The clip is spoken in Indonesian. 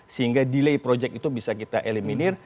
sehingga delay project itu bisa kita eliminir